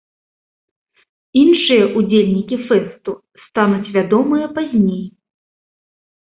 Іншыя ўдзельнікі фэсту стануць вядомыя пазней.